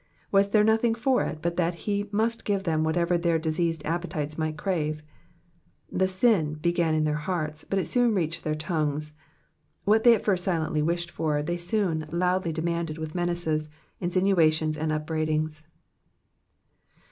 Was there nothing for it but that he must give them whatever their diseased appetites might crave ? The sin began in their hearts, but it soon reached their tongues. What they at first silently wished for, they soon loudly demanded with menaces, insinuations, and up brai dings.